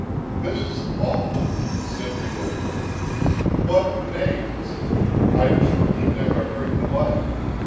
"This is awful," said the old woman. "What names! I truly never heard the like.